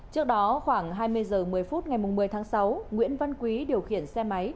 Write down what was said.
trước đó khoảng hai mươi h một mươi phút ngày một mươi tháng sáu nguyễn văn quý điều khiển xe máy